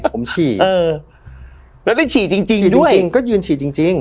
ผมฉี่เออแล้วได้ฉี่จริงจริงด้วยฉี่จริงจริงก็ยืนฉี่จริงจริง